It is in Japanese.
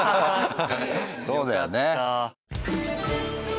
そうだよね。